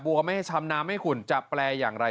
ไม่ให้ช้ำน้ำไม่ขุ่นจะแปลอย่างไร